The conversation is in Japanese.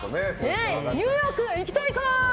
ニューヨーク行きたいか！